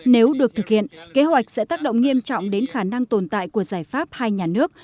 nếu được thực hiện kế hoạch sẽ tác động nghiêm trọng đến khả năng tồn tại của giải pháp hai nhà nước